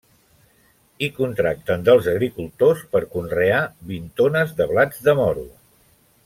Hi contracten dels agricultors per conrear vint tones de blats de moro.